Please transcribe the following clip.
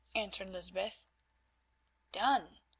answered Lysbeth. "Done?